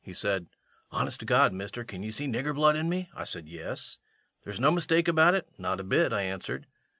He said: "Honest to God, mister, can ye see nigger blood in me?" I said: "Yes." "There's no mistake about it?" "Not a bit," I answered.